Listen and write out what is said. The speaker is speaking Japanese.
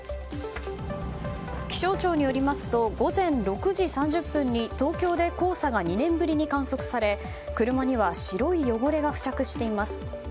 気象庁によりますと午前６時３０分に東京で黄砂が２年ぶりに観測され車には白い汚れが付着しています。